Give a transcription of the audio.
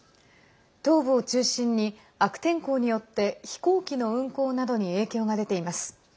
東部を中心に悪天候によって飛行機の運航などに影響が出ています。